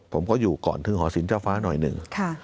ผมก็อยู่ก่อนถึงหอศิลปเจ้าฟ้าหน่อยหนึ่ง